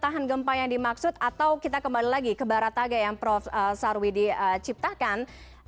tahan gempa yang dimaksud atau kita kembali lagi ke barataga yang prof sarwidi ciptakan